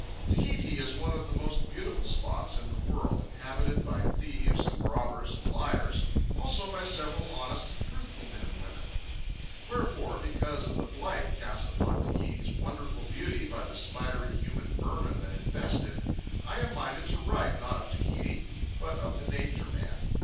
Tahiti is one of the most beautiful spots in the world, inhabited by thieves and robbers and liars, also by several honest and truthful men and women. Wherefore, because of the blight cast upon Tahiti's wonderful beauty by the spidery human vermin that infest it, I am minded to write, not of Tahiti, but of the Nature Man.